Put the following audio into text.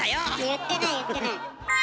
言ってない言ってない。